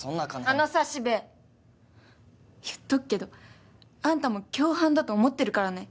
あのさ四部言っとくけどあんたも共犯だと思ってるからね。